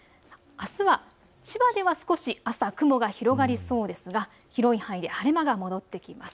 あすは千葉では少し、朝、雲が広がりそうですが広い範囲で晴れ間が戻ってきます。